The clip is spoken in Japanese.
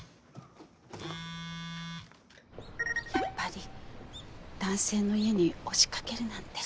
やっぱり男性の家に押し掛けるなんて。